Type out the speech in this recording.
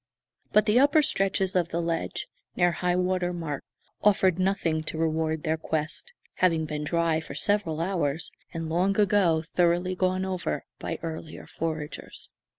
But the upper stretches of the ledge, near high water mark, offered nothing to reward their quest, having been dry for several hours, and long ago thoroughly gone over by earlier foragers.